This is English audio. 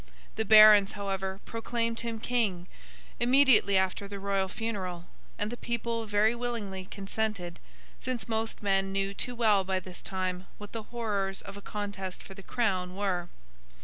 The Barons, however, proclaimed him King, immediately after the Royal funeral; and the people very willingly consented, since most men knew too well by this time what the horrors of a contest for the crown were.